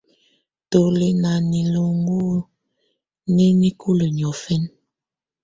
Tù lɛ̀ nà niloko nɛ̀ nikulǝ́ niɔ̀fɛna.